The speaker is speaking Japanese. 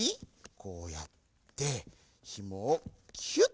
こうやってひもをキュッ。